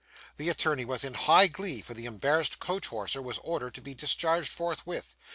The attorney was in high glee, for the embarrassed coach horser was ordered to be discharged forthwith.